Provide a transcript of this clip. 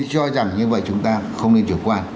cho rằng như vậy chúng ta không nên chủ quan